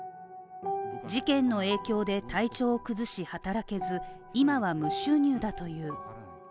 事件の影響で体調崩し働けず、今は無収入だという。